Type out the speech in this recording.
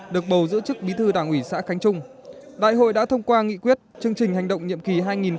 được bầu giữ chức bí thư đảng ủy xã khánh trung đại hội đã thông qua nghị quyết chương trình hành động nhiệm kỳ hai nghìn hai mươi hai nghìn hai mươi năm